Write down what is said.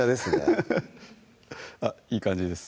フフフッいい感じです